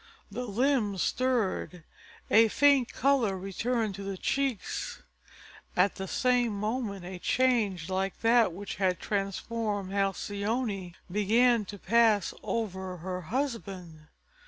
The limbs stirred, a faint color returned to the cheeks. At the same moment a change like that which had transformed Halcyone began to pass over her husband.